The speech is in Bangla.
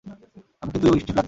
এমনকি তুইও, স্টিফলার।